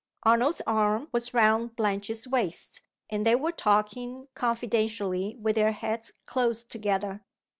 Arnold's arm was round Blanche's waist, and they were talking confidentially with their heads close together.